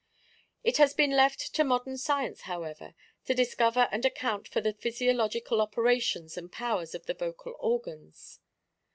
It has been left to modern science, however, to discover and account for the physiological operations and powers of the vocal organs.